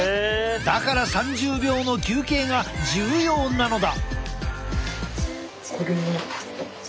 だから３０秒の休憩が重要なのだ。